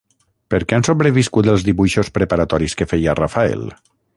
Per què han sobreviscut els dibuixos preparatoris que feia Rafael?